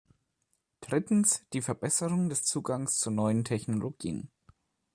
Drittens, die Verbesserung des Zugangs zu neuen Technologien.